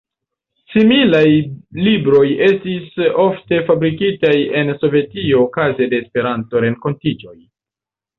Similaj libroj estis ofte fabrikitaj en Sovetio okaze de Esperanto-renkontiĝoj.